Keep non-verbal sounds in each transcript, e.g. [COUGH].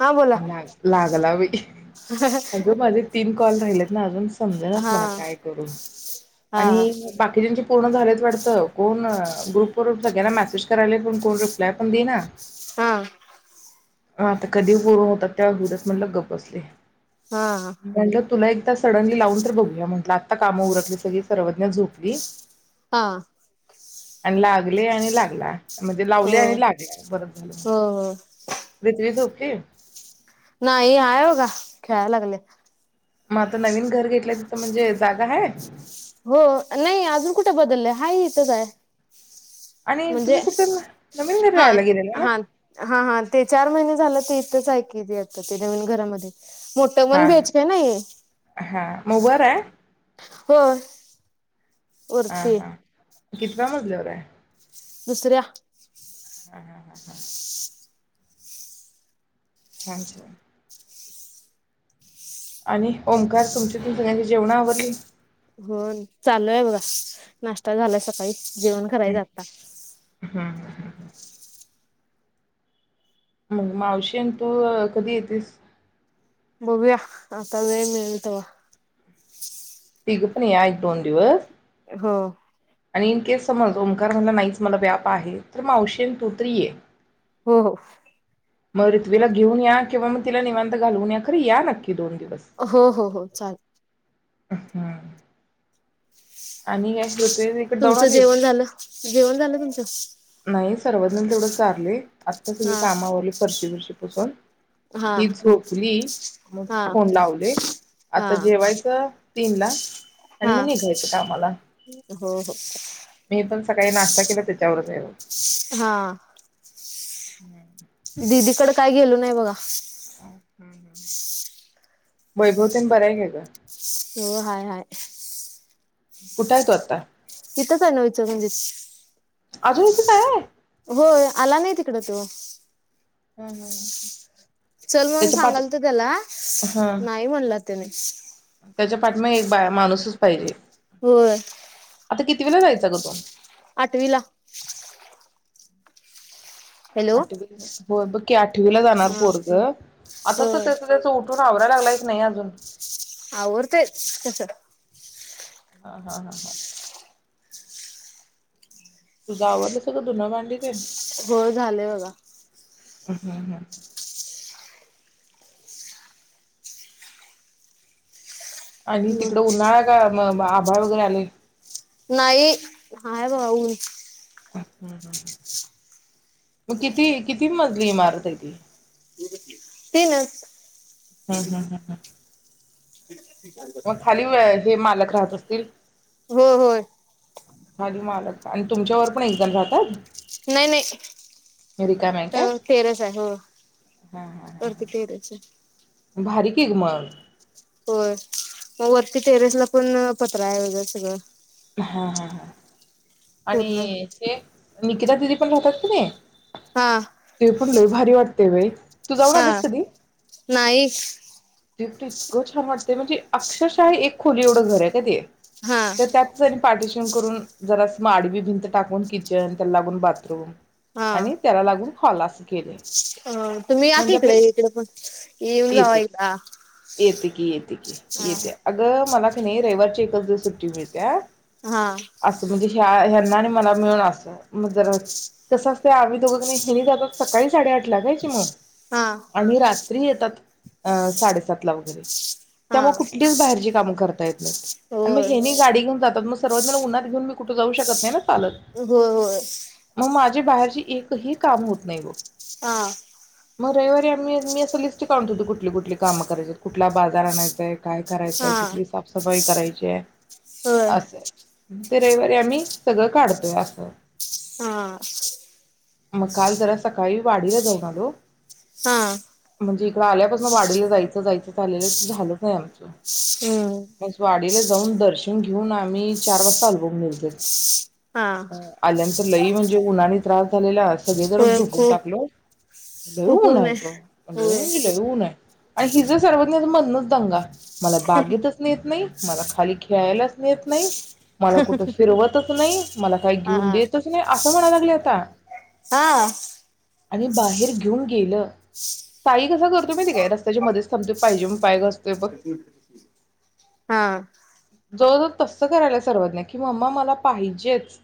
हा बोला. लागला बाई अग माझे तीन कॉल रहिले अजून समजेणाच हा मला काय करू हा आणि बाकीच्यांचे पूर्ण झालेत वाटतं कोण ग्रुप व सगळ्यांना मेसेज करायला पण कोण रिप्लाय पण देई ना हा आता कधी पूर्ण होत्यात त्या वेळेला होऊ देत म्हटलं आणि गप बसले. हा म्हटल तुला एक त सडनली लावून तर बघूया म्हटलं आता कामं उरकली सगळी सर्वज्ञा झोपली. हा आणि लागले आणि लागला म्हणजे हो लावले हो आणि लागला बर झालं. हो पृथ्वी झोपली. नाही हाय बगा खेळाय लागलेत. म आता नवीन घर घेतल्या तिथं म्हणजे जागा हाय. हो नाही अजून कुठ बदललंय हाय इथच हाय. आणि म्हणजे तुम्ही कुठे नवीन घरी हा राहायला गेलेला ना? हा हा हा ते चार महिने झाल ते तिथच आहे की ते नवीन घरामध्ये मोठं वन बी एच के नाहीये. म वर आहे. होय. हा वरती हा कितव्या मजल्यावर आहे. दुसऱ्या हा हा हा हा छान छान आणि ओंकार तुमची तिथली जेवण आवरली. होनं चालू आहे बघा नाश्ता झाला सकाळी जेवण करायच हं आता हं. मंग मावशी न तू कधी येतीस. बघूया आता वेळ मिळल तवा तिघ पण या एक दोन दिवस हो आणि इन केस समज ओंकार म्हटला नाहीच मला व्याप आहे तर मावशी अन तू तर ये. हो हो म रिथ्वीला घेऊन या किंवा मग तिला निवांत घालवून या खर या नक्की दोन दिवस. हो हो हो चाल- हं आणि काय ऋतू इकडे जाऊन तुमचं जेवण आलीस? झालं जेवण झालं तुमचं सर्वज्ञला तेवढं चारलय आत्ता सगळी हा काम आवरली फर्शी बिर्शी हा [UNINTELLIGIBLE] ही झोपली मग हा फोन लावले हा आता जेवायचं तीनला आणि हा म निघायचं कामाला हो हो मी पण सकाळी नाश्ता केला त्याच्यावरच हा हूं दिदीकड काय गेलो नाय बघा हूं हूं वैभवतेन बरं आहे काय ग हो हाय हाय कुठय तो आता तिथंच हाय नव्ह इचलकरंजीत अजून इथच हाय व्हय होय आला नाही तिकड तो हूं हूं चल म्हणुन सांगालत त्याला हा नाही म्हणला त्याने त्याच्या पाटमा एक बा माणूसच पाहिजे. होय आता कितवीला जायचा ग तो आठवी ला आठवी हो बघ की आठवीला जाणार हा पोरग आता तर होय त्याच त्याच उ टून आवरायाला लागलाय की नाही अजून आवरतय तस हा हा हा! तुझं आवरलं सगळं धून भांडी तेन. हो झाले बघा. हं हं! आणि तिकडं मग उन्हाळा का म बा. बाळू सर आले. नाही हाय भावु. म किती, किती मजली इमारत आहे ती. तीनच. ह ह ह [INAUDIBLE] मग खाली व. हे मालक राहत असतील. हो होय. खाली मालक आणि तुमच्यावर पण एकजण राहतात. नाही नाही रिकामी आहे काय तर तेरस आहे हो हा हा हा वरती तेरस आहे. भारी की ग मग. होय म वरती टेरेसला पण पत्र आहे वगरे सगळं. हा हा हा! पूर्ण आणि हे. दिदी पण राहतात कीणी. हा ते पण लोय भारी वाटते बई तू जाऊन आलीस हा कधी. नाही ते इतकं छान वाट. ते अक्षरशा एक खोली एवढं घर आहे का ते. हा! पाठीशन करून जरा म आडवी भिंत टाकून किचन त्याला लागून बाथरूम. हा आणि त्याला लागून. हॉल अस अ तुम्ही आत इकडे इकडे पण येऊन जावा येते एकदा येते की! हा येते अगं मला. नही रविवारची एकच दिवस सुट्टी मिळत्या. हा! हा ह्यांना आणि मला मिळून अस म जर कसं असत आम्ही दोघं कणी हेनी जातत सकाळी साडे आठ लागायची म हा आणि रात. तर येतात अ साडेसात ला वगैरे. हा कुठलीच बाहेरची कामं करता येत नाहीत आणि मग होय हेनी गाडी घेऊन जात. सर्वज्ञा ला उन्हात घेऊन कुठ जाऊ शकत नाही ना होय होय की बाहेरची एकही काम होत नाही बघ हा म रविवारी आम्ही मी असं लिस्ट काढूणं ठेवतो कुठली कुठली कामं करायचित कुठला बाजार आणायचाय काय करायचंय हा कुठली साफसफाई करायची आहे. होय असय ते रविवारी आम्ही सगळं काढतोय असं हा मग काल जरा सकाळी वाडीला जाऊन आलो. हा म्हणजे इकड आल्यापासन वाडीला जायचं जायचं चालेलं ते झाल नाही आमचं हम्म [UNINTELLIGIBLE] वाडीला जाऊन दर्श [UNINTELLIGIBLE] आम्ही चार वाजता आलो मीरजत हा लई म्हणजे उन्हानी त्रास झालेला अ सगळे जणच होय झोपून खूप टाकलो लय ऊन आहे ग लय होय म्हणजे लय ऊन हाय. आणि हिज सर्वज्ञा चा मदनच दंगा मला बागेतच नेत नाही मला खाली खेळायलाच नेत नाही. मला कुठं फिरवतच नाही मला काही हा घेऊन देतच नाही असं म्हणायला लागली आता हा आणि बाहेर घेऊन गेलं साई कसा करतोय माहितीये काय रस्त्याच्या मध्येच थांबतोय पाहिजे म्हणून पाय घासतोय बघ. हा जवळ जव तसं करायला सर्वज्ञा की मम्मा मला पाहिजेच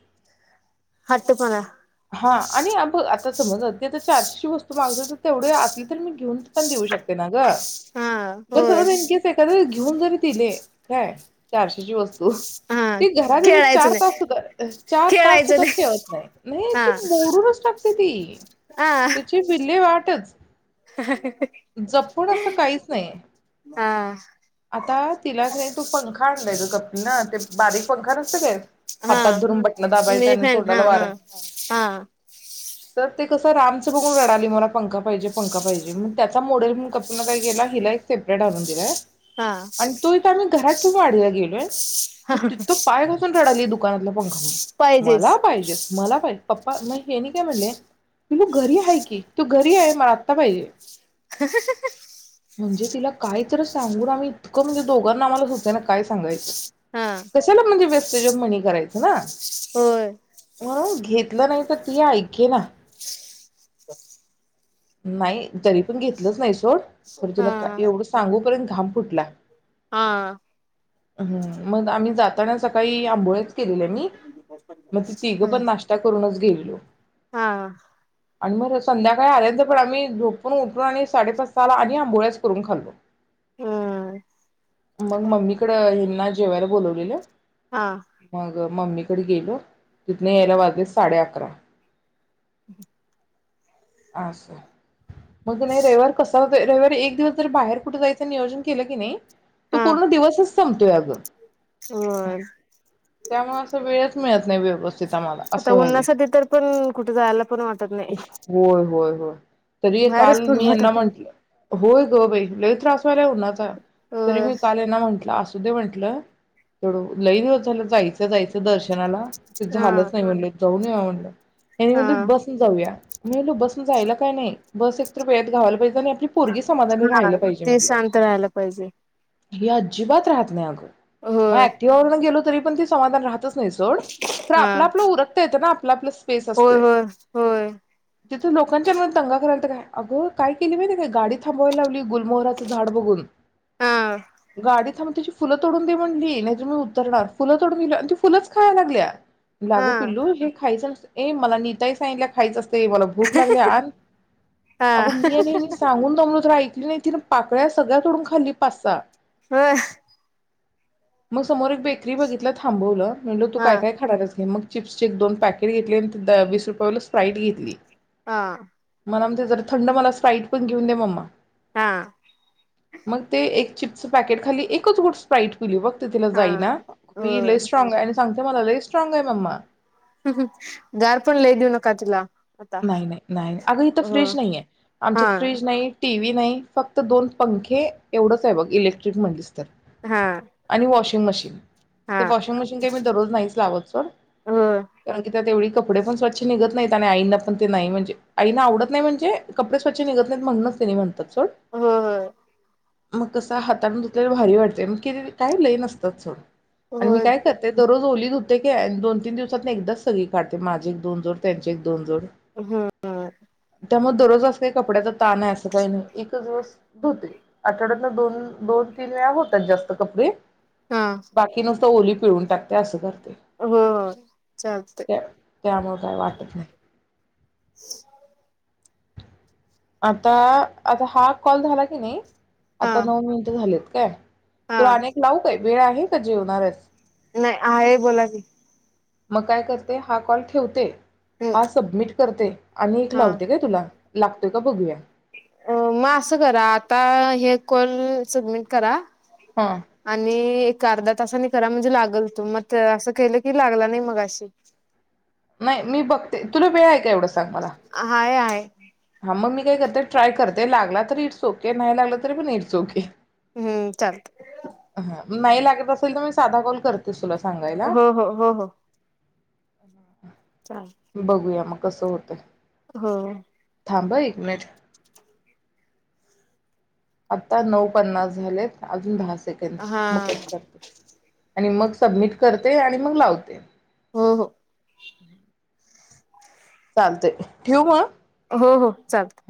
हट्टपणा हा आणि अब आता समज चारशेची वस्तू मागीतली तर तेवढे असली तर मी घेऊन पण देऊ शक ते ना ग हा पण होय समज इन केस एखाद घेऊन जरी दिले काय चारशेची वस् स्तु हा ती घरात येऊन खेळायचं चार तास नाही सुधा चार तास खेळायचं सुद्धा नाही ठेवत नाही नाही हा ती मोडूनच टाकती ती हा त्याची विल्हे वाट ट्टच जपून असं काहीच नाही हा आता तिला की नाय तो तो पंखा आणलाय ग कपील न ते बारीक पंखा नसतय काय हा हातात धरून बटण दाबायचंय मी आणि फॅन हा तोंडाला हा वारा तर ते कस रामचं बघून रडाली मला पंखा पाहिजे पंखा पाहिजे मग त्याचा मॉडेल म्हणून [UNINTELLIGIBLE] गेलाय अन हिला एक सेपरेट आणून दिलाय. हा आणि तो इथ आणि घरात तू वाढीला गेलोय. हा तो तीथ पाय घासून रडाली दुकानातला पंखा मला पाहिजेच पाहिजेच मला पाहिजे पप्पा मग हेनी काय म्हणले पीलू घरी हाय की तू घरी ये म आत्ता पाहिजे. हं हं हं हं म्हणजे तिला कायतर सांगून आम्ही इतक म्हणजे दोघांना आम्हाला झोप त्याना काय सांगायचं? हा कशाला म्हणजे व्यस म्हणी करायचं ना? होय. म्हणून घेतलं नाई तर ती ऐके ना. तर नाई तरी पण घेतलंच नाई सोड. खरं तुला हा का हा एवढं सांगु पर्यंत घाम फुटला. हा. हम्म मग आम्ही जाताना सकाळी आंबोळेच केलेल मी. मग ते तिघ पण हम् नाश्ता करूनच गेली हॅलो हा. आणि मग संध्याकाळी आल्यांतर पण आम्ही झोपून उठलो आणि साडेपाच सहाला आणि आंबोळ्याच करून खाल्लो. हम मग मम्मी कड हयांना जेवायला बोलवलेलं हा. मम्मीकड गेलो तिथन यायला वाजले साडे अकरा हम् हम. असं मग नाई रयवार कसा रव्वारी एक दिवस जरी बाहेर कुठ जायचं नियोजन केलं की नाई तू पूर्ण दिवसच [UNINTELLIGIBLE] होय. त्यामुळे असं वेळच मिळत नाई व्यवस् आता उन्हासा तरी पण कुठे जायला पण वाटतं नाही. होय होय होय तरी काल बाहेरच मी पडू हयांना वाटत नाही म्हंटलं होय. हो बई लय त्रास व्हायला उन्हाचा. तरी अ मी कालना हयांना म्हंटलं असं. म्हटलं तेवढं लय दिवस झालं. जायचं जायचं दर्शनाला. ते हा झालंच नाही म्हणले. जाऊन यावं म्हंटलं. हयांनी हा म्हटले बसने जाऊया. मी म्हनलं बसने जायला काय नाही बस एक तर वेळेत घावायला पाहि हा ते शांत राहायला पाहिजे. हे अजिबात राहात नाही अगं. म होय ऍक्टिवावरन गेलो. तरी पण ते. समाधान राहत. तस नई सोड खरं हा आपल, आपलं उरकता येत ना आपल आपलंस. पेस होय असतोय. होय होय तिथून लोकांच्या मन दंगा कराय तर काय, अग काय केली माहितीे, काय गाडी थांबवायला लावली गुलमोहराचं झाड बघून. हा गाडी थांबा तेची फुलं तोडून दे म्हणली नाही मी उतरणार फुलं. तोडून दिलं आणि फुलच खायला लागल्या. आग हा पिल्लू हे खायचं ये मला नीताई सांगितल्या खायचं अस. ते मला भूक लागल्या आण हा अगं मी आणि हेनी सांगून दमलो तरी येक तिन पाकळ्या सगळ्या तोडून खाल्ली पाच सहा. [UNINTELLIGIBLE] म समोर एक बेकरी बघि तिला थांबवलं. म्हणलो तू हा काय काय खाणारस घे मग चिप्सचे दोन पॅकेट घेतली आणि ते द वीस रुपय वाला स्प्राईट घेतली. हा! मला म्हणतंय जरा थंड मला स्प्राईट पण घेऊन दे मम्मा. हा ते एक चिप स पॅकेट खाली एकच गुट स्प्राईट. पिली बग ते तिला हा जाईना. वी लय होय स्ट्राँग आहे आणि सांग ते म्हणायलय लय स्ट्रॉंग आहे मम्मा गार पण लई देेऊ नका तिला आता नाही नाही नाही नाही अग इथ हो फ्रीज नाही आहे हा आमच्यात फ्रीज नाही टी व्ही नाही फक्त दोन पंखे एवढंच आहे बघ इलेक्ट्रिक म्हणलीस हा आणि मशीन हा ते वॉशिंग मशीन काही मी दररोज नाहीच लावत सोड होय कारण की त्यात एवढी कपडे पण स्वच्छ निघत नाहीत आणि आईंना पण ते नाही म्हणजे आईना आवडत नाही म्हणजे कपडे स्वच्छ निघत नाहीत म्हणूनच तेनी म्हणतात. सोड होय मग कसं हातने धुतलेला भारी वाटयतेय मग काय लय नसतात सोड. आणि मी होय होय काय करते दोन रोज आली धूते काय आणि दोन तीन दिवसात एकदाच सगळी काढते माझी एक दोन जोड त्यांचे एक दोन जोड. हम् त्यामुळे दररोज असं काही कपड्यांचा ताण आहे असं काही नाही एकच दिवस धुते आठवड्यातन दोन दोन तीन वेळा होतात जास्त कपडे हा बाकी नु ओली पिळून टाकते असं कर हो चालतय. त्यामुळे काय वाटत नाही [INAUDIBLE] आता आता हा कॉल झाला की नी हा आता नऊ मिनिटं झालेत. काय? हा लूला आनेक लावू काय? वेळ आहे का जेवणार आहेस? नाही आहे बोला की. मग काय करते हा कॉल ठेवते. हम्म हा सबमिट करते आणि एक लावते काय तुला. ला त का बघूया. अ मग असं करा आता हे कॉल सबमिट करा. हा. आणि एक अर्धा तासांनी करा म्हणजे लागल तू मग असं केलं की लागला नाही मगाशी. नाही मी बघते तुला वेळ आहेय का एवढं. सांग मला हाय हाय. हा मग मी काय करते ट्राय करते, लागला तरी इट्स ओके नाही लागलं तरी पण इट्स ओके. हम्म चालत. हा नाही लागत असेल तर मी साधा कॉल करतेच तुला. सांगायला. हो हो हो हो. चाल [INAUDIBLE] बघूया मग. कसं होतंय. हो. थांबं एक मिनिट. आता नऊ पन्नास झालेत अजून दहा से सेकंद हा म कट करते. आणि मग सबमिट करते आणि मग लावते. हो हो. [UNINTELLIGIBLE] चालतयं ठेवू म. हो हो चालत.